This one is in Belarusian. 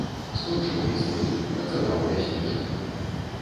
Скончыў інстытут, працаваў ляснічым.